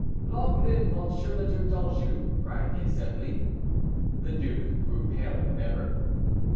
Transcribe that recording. "Long live Monseigneur le Duc d'Anjou!" cried the assembly. The duke grew paler than ever.